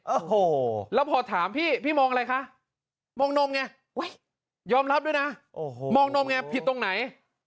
โอ้โหแล้วพอถามพี่พี่มองอะไรคะมองนมไงยอมรับด้วยนะมองนมไงผิดตรงไหน